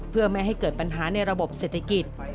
เพื่อไม่ให้เกิดปัญหาในระบบเศรษฐกิจ